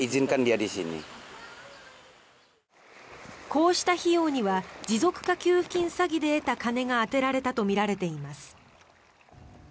こうした費用には持続化給付金詐欺で得た金が充てられたとみられています。